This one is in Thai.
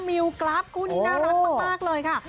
มิวกราฟคู่นี้น่ารักมากเลยค่ะ